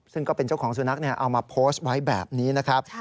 ซึ่งก็เป็นเจ้าของสุนัขเอามาโพสต์ไว้แบบนี้นะครับ